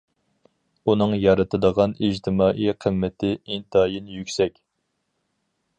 ئۇنىڭ يارىتىدىغان ئىجتىمائىي قىممىتى ئىنتايىن يۈكسەك.